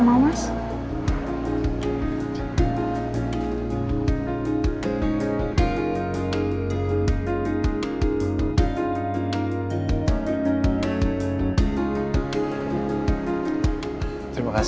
bagaimana kamu bisa memainkannya